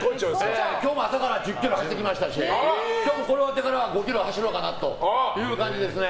今日も朝から１０ｋｍ走ってきましたし今日もこれ終わってから５ｋｍ走ろうかなという感じです。